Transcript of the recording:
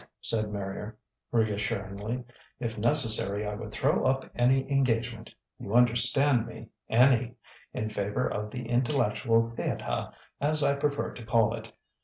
"But," said Marrier reassuringly, "if necessary I would throw up any engagement you understand me, any in favour of the Intellectual Theatah as I prefer to call it.